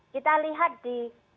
kita lihat di